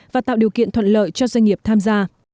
và tạo điều kiện thuận lợi cho doanh nghiệp tham gia